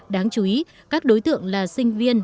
đáng chú ý các đối tượng là sinh viên